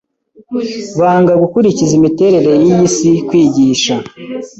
Banga gukurikiza imiterere yiyi si Kwigisha